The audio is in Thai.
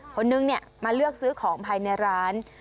คนนึงมาเลือกซื้อของภายในร้าน